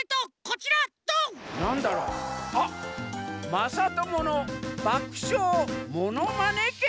「まさとものばくしょうものまね券」？